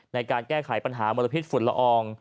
ในการแก้ไขปัญหามลพิษฝุ่นละออง